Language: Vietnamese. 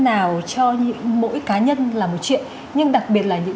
nào cho mỗi cá nhân là một chuyện nhưng đặc biệt là những